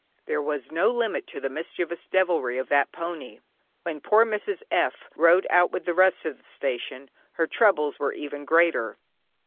There was no limit to the mischievous devilry of that pony. When poor Mrs. F. rode out with the rest of the station, her troubles were even greater.